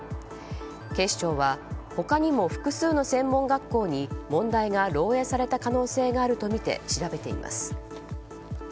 警視庁は他にも複数の専門学校に問題が漏洩された可能性があるとみて調べています。